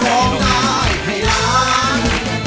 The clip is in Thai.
กล่องหน้าหลายร้าน